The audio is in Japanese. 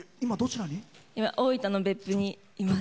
大分の別府にいます。